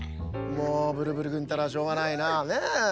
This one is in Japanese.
もうブルブルくんったらしょうがないなねえ。